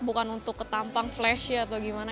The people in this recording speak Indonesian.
bukan untuk ketampang flashnya atau gimana